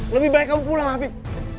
lebih baik kamu pulang habib